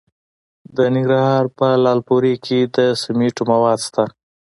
د ننګرهار په لعل پورې کې د سمنټو مواد شته.